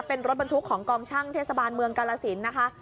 เป็นรถบรรทุกของกองช่างเทศบาลเมืองกาลสินนะคะ